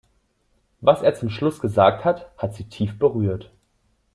Was er zum Schluss gesagt hat, hat sie tief berührt.